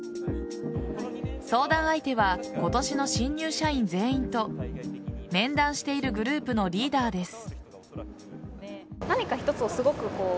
相談相手は今年の新入社員全員と面談しているグループのリーダーです。